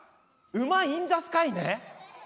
馬インザスカイね。